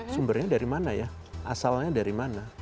sumbernya dari mana ya asalnya dari mana